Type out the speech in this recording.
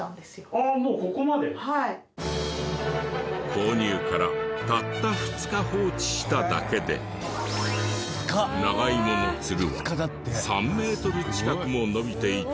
購入からたった２日放置しただけで長芋のツルは３メートル近くも伸びていたらしい。